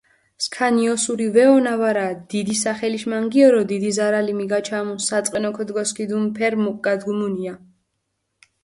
სქანი ოსური ვეჸონა ვარა, დიდი სახელიშ მანგიორო დიდი ზარალი მიგაჩამუნ, საწყენო ქჷდგოსქიდუნ ფერი მუკგადგუმუნია.